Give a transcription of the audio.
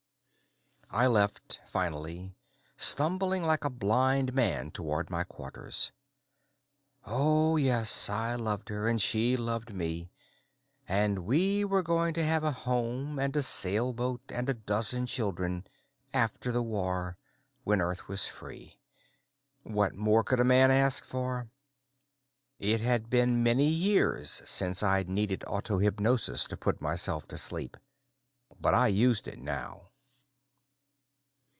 I left, finally, stumbling like a blind man toward my quarters. Oh, yes, I loved her and she loved me and we were going to have a home and a sailboat and a dozen children, after the war, when Earth was free. What more could a man ask for? It had been many years since I'd needed autohypnosis to put myself to sleep, but I used it now.